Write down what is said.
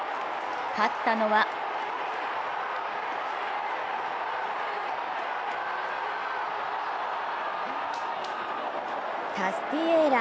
勝ったのはタスティエーラ。